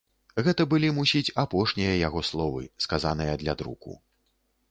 Гэта былі, мусіць, апошнія яго словы, сказаныя для друку.